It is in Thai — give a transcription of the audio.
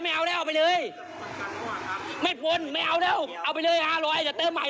เติมใหม่เลยพี่ไม่เอาแล้วตัง๕๐๐อ่ะเติมใหม่เลย